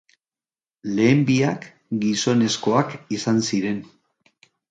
Lehen biak, gizonezkoak izan ziren.